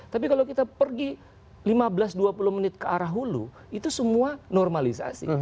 tapi kalau kita pergi lima belas dua puluh menit ke arah hulu itu semua normalisasi